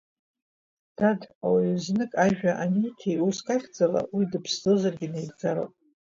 Дад, ауаҩы знык ажәа аниҭи уск ахьӡала, уи дыԥсӡозар-гьы инеигӡароуп.